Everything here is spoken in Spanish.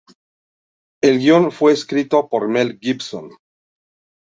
El guion fue escrito por Mel Gibson.